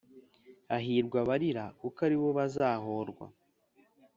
Hahirwa abarira kuko aribo bazohorwa